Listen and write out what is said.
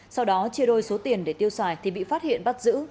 sau đó chia đôi số tiền để tiêu xài thì bị phát hiện bắt giữ